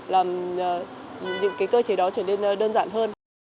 làm những cái cơ chế đó trở nên đơn giản hơn